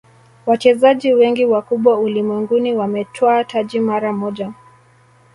wachezaji wengi wakubwa ulimwenguni wametwaa taji mara moja